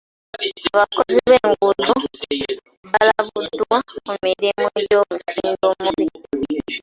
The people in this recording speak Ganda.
Abakozi b'enguudo balabuddwa ku mulimu ogw'omutindo omubi.